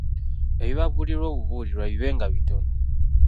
Ebibabuulirwa obubuulirwa bibenga bitono.